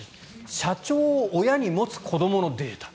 社長を親に持つ子どものデータ。